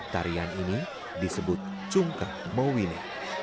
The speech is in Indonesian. tarian ini disebut cungkah mauine